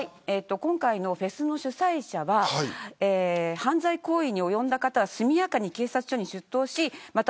今回のフェスの主催者は犯罪行為に及んだ方は速やかに警察署に出頭しまた